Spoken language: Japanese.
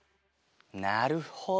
なるほど！